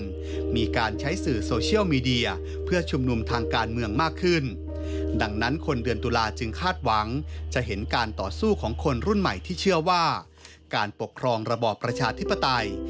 ที่เชื่อว่าการปกครองระบอบประชาธิปไตย